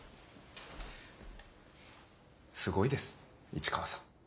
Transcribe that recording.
すごいです市川さん。